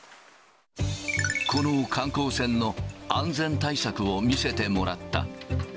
この観光船の安全対策を見せてもらった。